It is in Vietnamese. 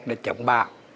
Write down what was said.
nó bị trộn vào